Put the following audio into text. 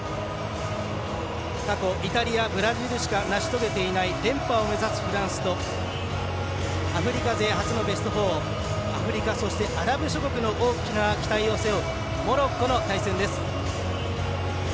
過去、イタリア、ブラジルしか成し遂げていない連覇を目指すフランスとアフリカ勢初のベスト４アフリカ、そしてアラブ諸国の期待を背負うモロッコの対戦です。